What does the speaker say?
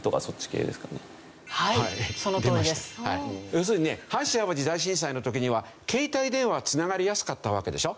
要するにね阪神・淡路大震災の時には携帯電話つながりやすかったわけでしょ。